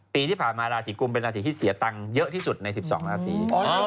ปีที่ผ่านมาลาศีกรุงเป็นลาศีที่เสียทักเงินเยอะที่สุดในดวง๑๒ลาศี